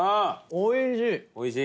おいしい！